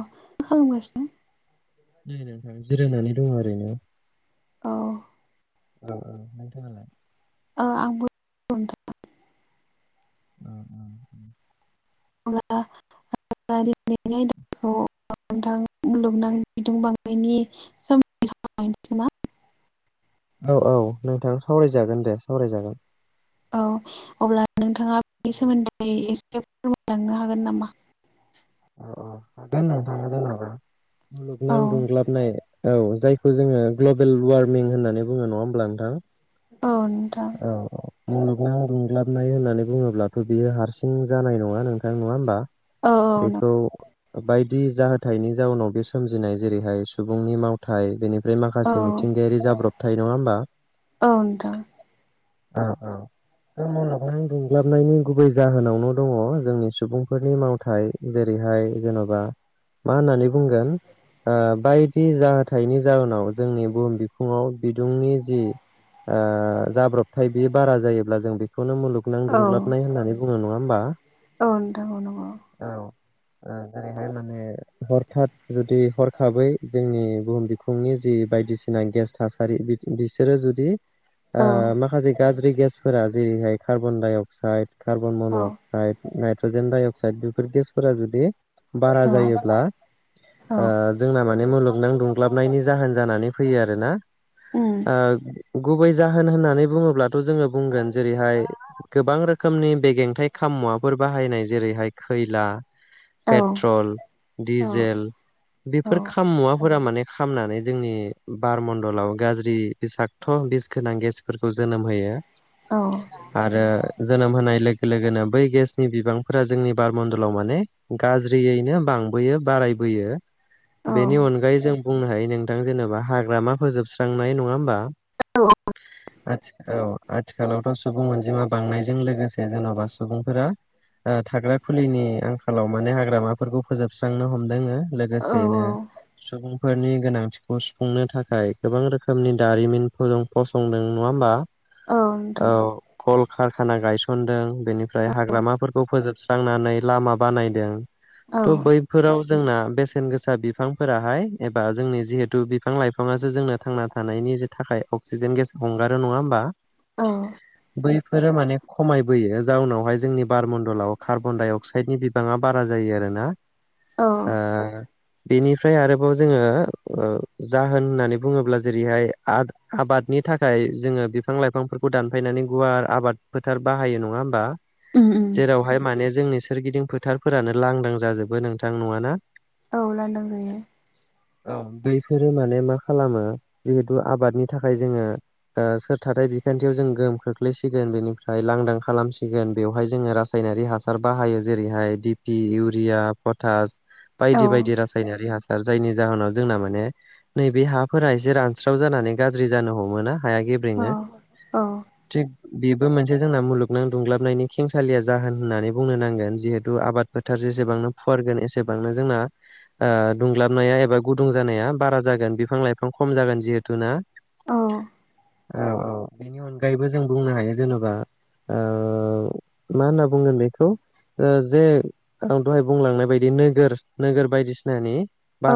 अ मा खालामगासिनो? नै नोंथां जिरायनानै दं ओरैनो औ औ औ नोंथाङालाय आंबो [unintelligible] नोंथां [unintelligible] [unintelligible] दिनैनि आयदाखौ नोंथां मुलुगनां बिदुं बांनायनि सोमोन्दै सावरायनोसै नामा औ औ नोंथां सावरायजागोन दे सावरायजागोन औ अब्ला नोंथाङा बेनि सोमोन्दै [unintelligible] फोरमायलांनो हागोन नामा? अ हागोन नोंथाङा जेनबा औ मुलुगनां दुंग्लाबनाय औ जायखौ जोङो ग्लबेल वार्मिं होननानै बुङो नङा होमब्ला नोंथां औ नोंथां मुलुगां दुंग्लाबनाय होननानै बुङोब्लाथ' बियो हारसिं जानाय नङा नोंथां नङा होमबा औ बेखौ बायदि जाहोथायाइनि जाउनाव बे सोमजिनाय जेरैहाय सुबुंनि मावथाय बेनि ओमफ्राय औ नों औ माखासे मिथिंगायारि जाब्र'बथाय नङा होमबा औ नोंथां औ ओं बे दुंग्लाबनायनि गुबै जाहोनावनो दङ जोंनि सुबुंफोरनि मावथाय जेरै थाय जेन'बा मा होननानै बुंगोन ओ बायदि जाहोथायनि जाउोनाव जोंनि बुहुम बिखुङाव बिदुंनि जि आ नाथाय बे बारा जायोब्ला जों बेखौनो मुलुगनां औ दुंग्लाबनाय होननानै बुङो नङा होमबा औ नोंथां नांगौ औ ओ जेरैहाय माने हरख जुदि हरखाबै जोंनि बुहुम बिखुंनि जि बायदिसिना गेस थासारि बिसोरो जुदि ओ औ माखासे गाज्रि गेसफोरा जेरैहाय कार्बन डाइ अक्साइड कार्बन मन' औ अक्साइड नाइट्रजेन डाइ अक्साइड बेफोर गेसफोरा जुदि बारा औ जायोब्ला औ आ जोंना मुलुगनां दुंग्लाबनायनि जाहोन जानानै फैयो आरोना उम गुबै जाहोन होननानै बुङोब्लाथ' जोङो बुंगोन जेरैहाय गोबां रोखोमनि बेगेंथाइ खाम मुवाफोर बाहायनाय जेरैहाय खैला औ पेट्रल औ दिडिजेल औ बेफोर खाम मुवाफोरा माने खालामनानै जोंनि बारमणडलाव गाज्रि बिसाखत' बि गोनां गेसफोरखौ जोनोम होयो औ आरो जोनोम होनाय लोगो लोगोनो बै गेसनि बिबांफोरा जोंनि बारमडलाव माने गाज्रियैनो बांबोयो बाराय बोयो औ बेनि अनगायै जों बुंनो हायो नों थां जेनेबा हाग्रामा फोजोबस्रांनाय नङा होमबा औ आथिखालावथ' सुबुं अनजिमा बांनायजों लोगोसे जेन'बा सुबुंफोरा आ थाग्रा खुलिनि आंखालाव माने हाग्रामाफोरखौ फोजोबस्रांनो हमदों लोगोसेनो सुबुंफोरनि गोनांथिखौ सुफुंनो थाखाय गोबां रोखोमनि दारिमिन फोर दं फसंदों नङा होमबा औ नोंथां खारखाना गायसनदों बेनिफ्राय हाग्रामाफोरखौ फोजोबस्रांनानै लामा बानायदों औ थ' बैफोराव जोंना बेसेन गोसा बिफांफोराहाय एबा जोंनि जिहेथु बिफां लाइफाङासो जोंनो थांना थानायनि थाखाय अक्सिजेन गेस हंगारो नङा होमबा औ बैफोरो माने खमायबोयो जाउनावहाय जोंनि बारमणडलाव कार्बन डाइ अक्साइडनि बिबाङा बार बारा जायो आरोना औ ओ बेनिफ्राय आरोबाव जोङो औ जाहोन होननानै बुङोब्ला जेरैहाय आ आबादनि थाखाय जोङो बिफां लाइफांफोरखौ दानफायनानै गुवार आबाद फोथार बाहायो नङा होमबा उम उम जेरावहाय माने जोंनि सोरगिदिं फोथारफोरानो लांदां जाजोबो नोंथां नङाना औ लांदां जायो औ दैफोरो माने मा खालामो जिहेथु आबादनि थाखाय जोङो ओ सोरथथाय [unintelligible] बिखानथियाव जों गोहोम खोख्लैसिगोन बेनिफ्राय लांदां खालामसिगोन बेवहाय जोङो रासाय नारि हासार बाहायो जेरैहाय डिपि, इउरिया, पटास बायदि बायदि औ रासायनारि हास सार जायनि जाहोनाव जोंना माने नैबे हाफोरा एसे रानस्राव जानानै गाज्रि जानो हमोना हाया गेब्रेङो औ थिग बेबो मोनसे जोंना मुलुगनां दुंलाबनायनि खेंसालिया जाहोन होननानै बुंनो नांगोन जिहेथु आबाद फोथारजों एसेबांनो फुवारगोन एसेबांनो जोंना ओ दुंग्लाबनाया एबा गुदुं जानाया बारा जागोन बिफां लाइफां खम जागोन जिहेथु ना औ औ औ बेनि अनगायैबो जों बुंनो हायो जेनेबा ओ मा होनना बुंगोन बेखौ ओ जे आं दहाय बुंलांनाय बायदि नोगोर नोगोर बायदिसिनानि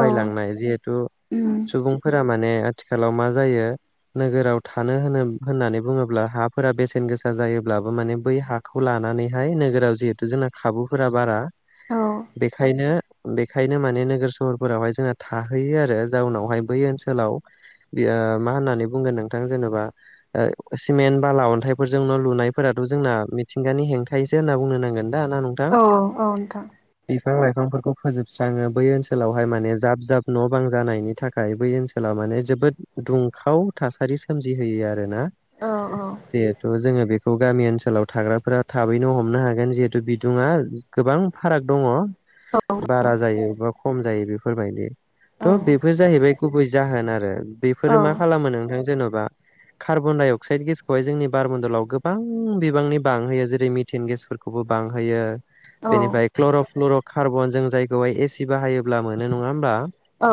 औ जिहेथु उम सुबुंफोरा माने आथिखालाव मा जायो नोगोराव थानो होनो होननानै बुङोब्ला हाफोरा बेसेन गोसा जायोब्लाबो माने बै हाखौ लानानै लानानैहाय नोगोराव जिहेतु जोंना खाबुफोरा बारा औ बेखायनो बेखायनो माने नोगोर सहरफोरावहाय जोंना थाहैयो आरो जाउनावहाय बै ओनसोलाव मा होननानै बुंगोन नोंथां जेनेबा सिमेन्ट बाला अन्थाइफोरजों न' लुनायफोराथ' जोंना मिथिंगानि हेंथायैसो होनना बुंनो नांगोन दा ना नोंथां औ औ नथां बिफां लाइफांफोरखौ फोजोबस्राङो बै ओनसोलावहाय माने जाब जाब न' बां जानायनि थाखाय बै ओनसोलाव माने जोबोद दुंखाव थासारि सोमजि होयो आरोना औ औ जिहेथु जोङो बे बे गामि ओनसोलाव थाग्राफोरा थाबैनो हमनो हागोन जिहेथु बिदुुङा गोबां फाराग दङ औ बारा जायो बा खम जायो बेफोरबायदि औ थ' बेफोर जाहैबाय गुबै जाहोन आरो बेफोरो मा खालामो नोंथां जेन'बा कार्बन डाइ अक्साइड गेसखौहाय जोंनि बारमन्दलाव गोबां बिबांनि बांहोयो जेरै मिटेन गेसफोरखौबो बांहोयो औ बेनिफ्राय क्लर' फ्लुर' कार्बन जों जायखौहाय एसि बाहायोब्ला मोनो नङा होमबा औ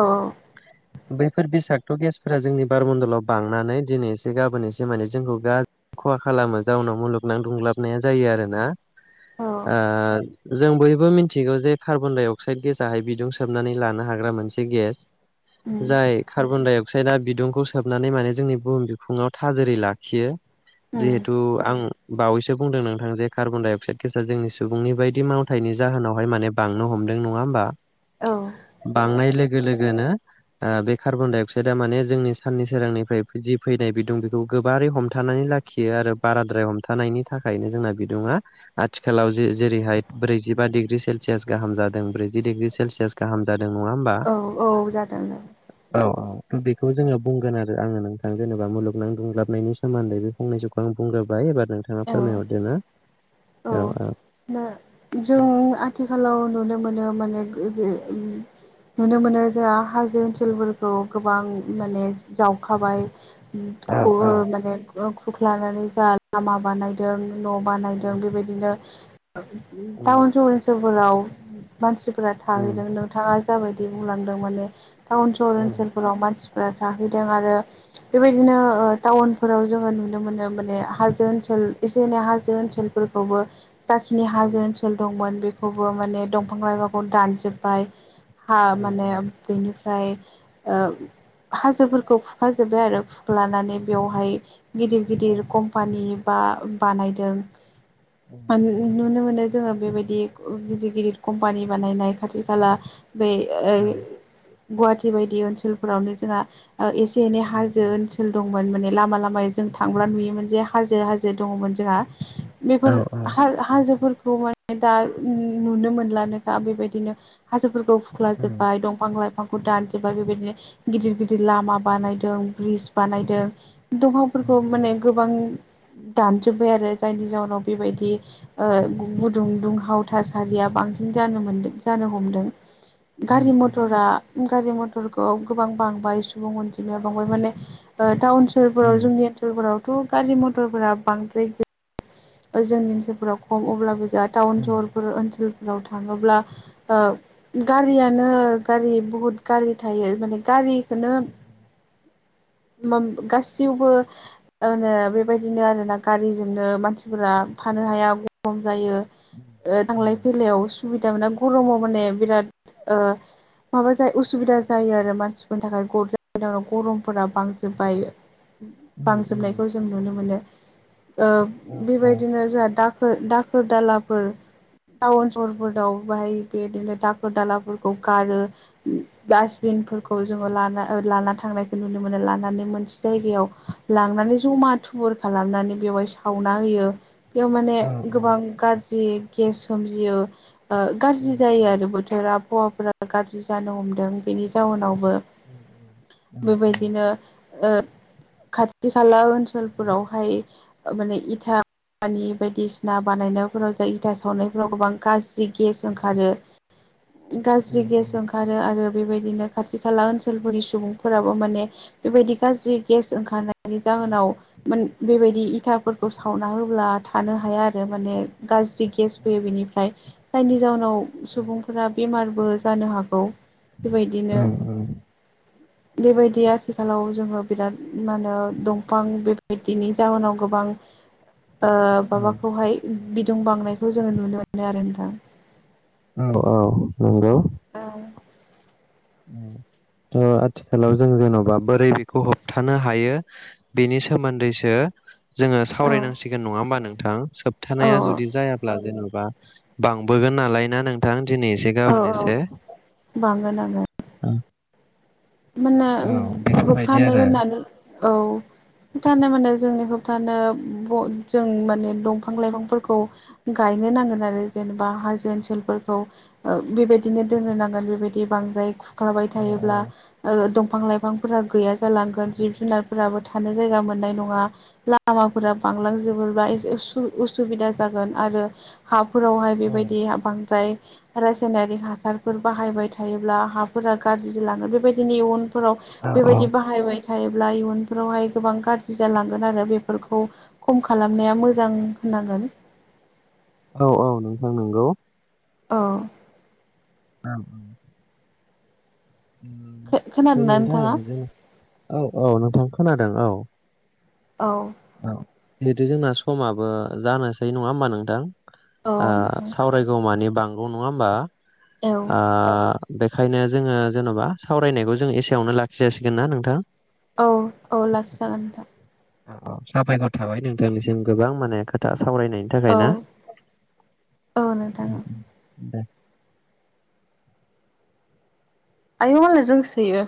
बैफोर बिसादखौ गेसफोरा जोंनि बारमन्दलाव बांनानै दिनै एसे गाबोन एसे माने जोंखौ गाज्रि खहा खालामो जाउनाव मुलुगनां दुंग्लाबनाया जायो आरोना औ ओ जों बयबो मिथिगौ जे कार्बन डाइ अक्साइड गेज आहाय बिदुं सोबनानै लानो हाग्रा मोनसे गेस उम जाय कार्बन दाइ अक्साइदआ बिदुंखौ सोबनानै माने जोंनि बुहुम बिफुङाव थाजोरै लाखियो उम जिहेतु आं बावैसो बुंदों नोंथां जे कार्बन डाइ अक्साइड गेसा जोंनि सुबुंनि बायदि मावथायनि जाहोनावहाय माने बांनो हमो नङा होमबा औ बांनाय लोगो लोगोनो बे कार्बन डाइ अक्साइड थार माने जोंनि साननि सोरांनिफ्राय जि फैनाय बिदुं बेखौ गोबारै हमथानानै लाखियो आरो बाराद्राय हमथानायनि थाखायनो जोंना बिदुङा आथिखालाव जेरैहाय ब्रैजिबा डिग्रि सेलसियास गाहाम जादों ब्रैजि डिग्रि सेलसियास गाहाम जादों नङा होमबा औ औ जादों औ बेखौ जोङो बुंगोन आरो आङो नोंथां जेनेबा मुलुगनां दुंग्लाबनायनि सोमोन्दै बे फंनैसोखौ आं बुंग्रोबाय एबार नोंथाङा औ फोरमायहरदो ना औ दा जों आथिखालाव नुनो मोनो माने [unintelligible] नुनो मोनो जोंहा हाजो ओनसोलफोरखौ गोबां माने जावखाबाय औ माने खुख्लानानै जा लामा बानायदों न' बानायदों बेबायदिनो औ टाउन सहर ओनसोलफोराव मानसि थाहैदों नोंथाङा जाबायदि बुंलांदों माने टाउन सहर ओनसोलफोराव मानसि थाहैदों आरो बेबायदिनो टाउनफोराव जोङो नुनो मोनो माने हाजो ओनसोल ओ एसे एनै हाजो ओनसोलफोरखौबो जाखिनि हाजो ओनसोल दंमोन बेखौबो माने दंफां लाइफांखौ दानजोब्बाय हा औ माने ओमफ्राय हाजोफोरखौ खुखाजोबबाय आरो खुख्लानानै बेवहाय गिदिर गिदिर कम्पानि बा बानायदों नुनो मोनो जोङो बेबायदि गिदिर गिदिर कम्पानि बानायनाय खाथि खाला बे गुवाहाटि बायदि ओनसोलफोरावनो जोंहा एसे एनै हाजो ओनसोल दङ मोन माने लामा लामायाव जों थांब्ला नुयोमोन जे हाजो हाजो दङमोन जोंहा बेफोर औ औ हाजोफोरखौ माने दा नुनो मोनलानोखा बेबायदिनो हाजोफोरखौ खुख्ला जोब्बाय दंफां लाइफां फोरखौ दानजोबाय बेबायदिनो गिदिर गिदिर लामा बानायदों ब्रिज बानायदों दफांफोरखौ माने गोबां दानजोब्बाय आरो जायनि जाउनाव बेबायदि ओ गुदुं दुंहाव थासारिया बांसिन जानो मोनदों जानो हमदों गारि मथरा गारि मथ'रखौ गोबां बांबाय सुबुं अनजिमाया बांबाय माने ओ टाउन सोहोरफोराव जोंनि ओनसोलफोरावथ' गारि मथरफोरा बांद्राय गैया जोंनि ओनसोलफोराव खम अब्लाबो जोंहा टाउन सहरफोर ओनसोल आव थाङोब्ला ओ गारियानो गारि बहुद गारि थायो माने गारि खोनो गाससिआवबो ओ बेबायदिनो आरोना गारिजोंनो मानसि फोरा थानो हाया गरम जायो ओ थांलाय-फैलायाव असु- बिदा मोना गरमाव माने बिराद ओ माबा जाय उसुबिदा जायो आरो मानसिफोरनि थाखाय ग गरमफोरा बांजोबबाय बांजोबनायखौ जों नुनो मोनो ओ बेबायदिनो जाहा दा दाखोर दालाफोर टाउन सहरफोराव बाहाय बेदिनो दाखोर दालाफोरखौ गारो गासिबो बिनफोरखौ जोङो लान लाना थांनायखौ नुनो मोनो लानानै मोनसे जायगायाव लांनानै जमा थुबुर खालामनानै बेवहाय खावना होयो बेयाव माने गोबां गाज्रि गेस सोमजियो ओ गाज्रि जायो आरो बोथोरा आबहावाफोरा गाज्रि जानो हमदों बेनि जाउनाव बो बेबायदिनो खाथि खाला ओनसोलफोरावहाय माने इथा आरि बायदिसिना बानायनायफोराव जाय इथा सावनायफोराव गोबां गाज्रि गेस ओंखारो गाज्रि गेस ओंखारो आरो बेबायदिनो खाथि खाला ओनसोलफोरनि सुबुंफोराबो माने बेबायदि गाज्रि गेस ओंखारनायनि जाउना जाहोनाव माने बेबायदि इथाफोरखौ सावना होब्ला थानो हाया आरो माने गाज्रि गेस फैयो बेनिफ्राय जायनि जााउनाव सुबुंफोरा बेमारबो जानो हागौ बेबायदिनो बेबायदि आथिखालाव जोङो बिराद मा होनो दंफां बेबायदिनि जाहोनाव गोबां ओ माबाखौहाय दुं बांनायखौ जोङो नुनो मोनो आरो नोंथां औ औ नंगौ औ औ आथिखालाव जों जेन'बा बोरै बेखौ होबथानो हायो बेनि सोमोन्दैसो जोङो औ सावरायनांसिगोन नङा होमबा नोंथां औ सोबथानाया जुदि जायाब्ला जेन'बा बा बांबोगोन नालाय ना नोंथां दिनै एसे औ गाबोन एसे औ बांगोन आंगोन दा माने होबथानो होननानै औ होबथानो माने जोंनि होब्थानो जों माने दंफां लाइफांफोरखौ गायनो नांगोन आरो जों ओ हाजो ओनसोलफोरखौ ओ बेबायदिनो दोननो नांगोन बेबायदि बांद्राय ख्लाबाय थायोब्ला दंफां-लाइफांफोरा गैया जालांगोन जिब-जुनारफोराबो थानो जायगा मोननाय नङा लामा फोरा बांलांजोबोबा एसे उसु उसुबिदा जागोन आरो हा फोरावहाय बेबायदि बांद्राय रासायनारिक हासारफोर बाहायबाय थायोब्ला हाफोरा गाज्रि लाङो बेबायदिनो इयुन फोराव बेबायदि बाहायबाय थायोब्ला इयुनफोरावहाय गोबां गाज्रि जालांगोन आरो बेफोरखौ खम खालामनाया मोजां जागोन औ औ नोंथां नंगौ औ औ औ खोनादोंना नोंथां नोंथाङा जों औ औ नोंथां खोनादों औ औ औ जिहेथु जोंना समाबो जानोसै नङा होमबा नोंथां औ नोंथां सावरायगौ मानि बांगौ नङा होमबा औ बेखायनो जोङो जेनबा सावरायनायखौ जों एसेयावनो लाखि जासिगोन ना नोंथां औ औ लाखिजागोन नोंथां औ औ साबायखर थाबाय नोंथांनिसिम गोबां माने खोथा सावरायनायनि थाखाय औ ना औ नोंथां दे आय मालय रोंसोयो